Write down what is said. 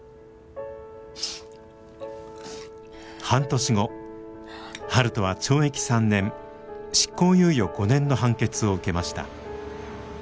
半年後悠人は懲役３年執行猶予５年の判決を受けました。